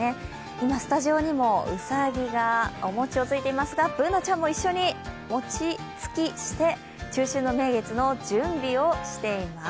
今、スタジオにもうさぎがお餅をついていますがＢｏｏｎａちゃんも一緒に餅つきして、中秋の名月の準備をしています。